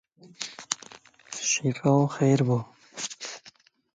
Şifao xeyr bo!